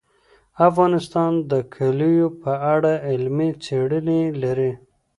افغانستان د کلیو په اړه علمي څېړنې لري.